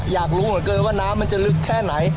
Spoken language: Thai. อยากรู้เหลือเกินว่าน้ำมันจะลึกแค่ไหน